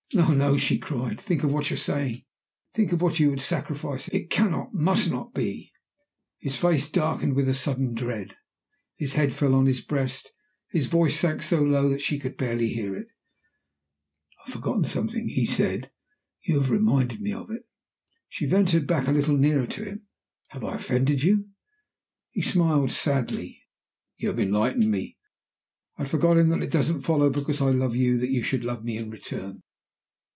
"No! no!" she cried. "Think of what you are saying! think of what you would sacrifice! It cannot, must not be." His face darkened with a sudden dread. His head fell on his breast. His voice sank so low that she could barely hear it. "I had forgotten something," he said. "You've reminded me of it." She ventured back a little nearer to him. "Have I offended you?" He smiled sadly. "You have enlightened me. I had forgotten that it doesn't follow, because I love you, that you should love me in return.